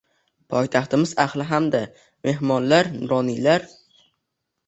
Poytaxtimiz ahli hamda mex, monlar, nuroniylar, uk